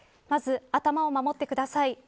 まず頭を守ってください。